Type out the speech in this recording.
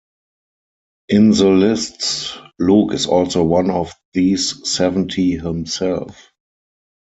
In the lists, Luke is also one of these seventy himself.